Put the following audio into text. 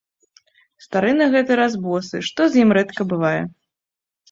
Стары на гэты раз босы, што з ім рэдка бывае.